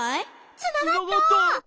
つながった！